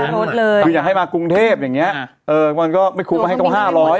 คืออยากให้มากรุงเทพฯอย่างนี้มันก็ไม่คุ้มมาให้ตรง๕๐๐